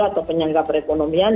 atau penyangga perekonomian